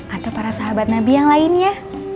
atau para sahabat nabi yang lainnya